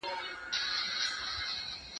له خپلي برخي تېښته نسته، د بل د برخي وېش نسته.